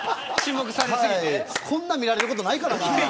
こんなに見られることないからな。